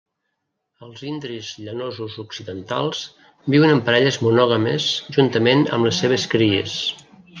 Els indris llanosos occidentals viuen en parelles monògames, juntament amb les seves cries.